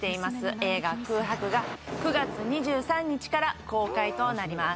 映画「空白」が９月２３日から公開となります